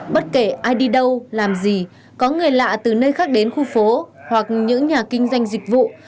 bất kể ai đi đâu làm gì có người lạ từ nơi khác đến khu phố hoặc những nhà kinh doanh dịch vụ